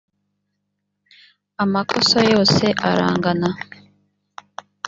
amakosa yose arangana.